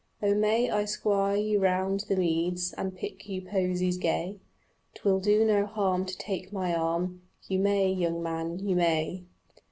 Oh may I squire you round the meads And pick you posies gay? 'Twill do no harm to take my arm. "You may, young man, you may."